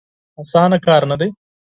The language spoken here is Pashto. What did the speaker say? اسانه کار نه دی.